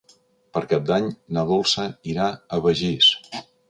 Per Cap d'Any na Dolça irà a Begís.